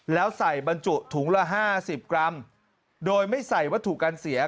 แล้วใส่บรรจุถุงละห้าสิบกรัมโดยไม่ใส่วัตถุการเสีย